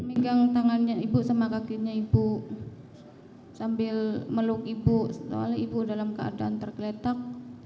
megang tangannya ibu sama kakinya ibu sambil meluk ibu setelah ibu dalam keadaan tergeletak